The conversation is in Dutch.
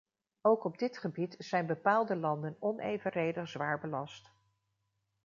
Ook op dit gebied zijn bepaalde landen onevenredig zwaar belast.